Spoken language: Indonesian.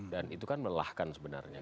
dan itu kan melahkan sebenarnya